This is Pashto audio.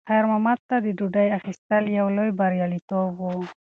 خیر محمد ته د ډوډۍ اخیستل یو لوی بریالیتوب و.